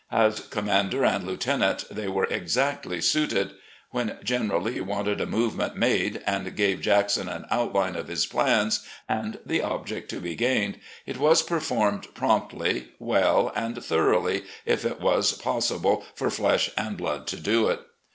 As commander and lieutenant they were exactly suited. When General Lee wanted a movement made and gave Jackson an outline of his plans and the object to be gained, it was performed promptly, well, and thoroughly, if it was pos sible for flesh and blood to do it.